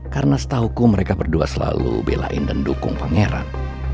karena setauku mereka berdua selalu belain dan dukung pangeran